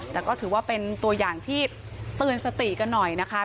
แต่ก็ถือว่าเป็นตัวอย่างที่เตือนสติกันหน่อยนะคะ